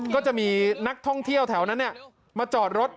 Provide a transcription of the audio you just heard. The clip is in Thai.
ก็จะมีนักท่องเที่ยวแถวนั้นมาจอดรถ